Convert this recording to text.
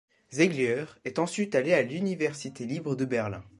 Ziegler est ensuite allé à l'université libre de Berlin.